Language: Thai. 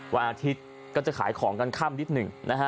วันอาทิตย์ก็จะขายของกันค่ำนิดหนึ่งนะฮะ